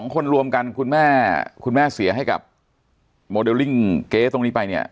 ๒คนรวมกันคุณแม่คุณแม่เสียให้กับโมเดลลิ่งเก๊ตรงนี้ไปเนี่ย